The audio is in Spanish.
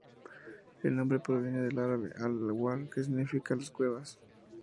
El nombre proviene del árabe "Al-Agwar", que significa "las cuevas".